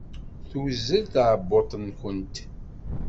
Tuzzel tɛebbuḍt-nkent?